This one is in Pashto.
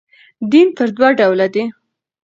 دین پر دوه ډوله دئ.